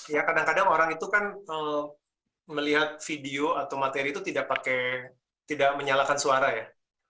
ya kadang kadang orang itu kan melihat video atau materi itu tidak pakai tidak menyalakan suara ya